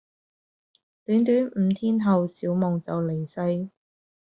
短短五天後小夢就離世